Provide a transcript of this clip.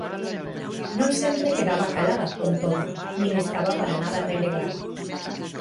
Non sempre quedaba calada, con todo, nin estaba para nada relegada.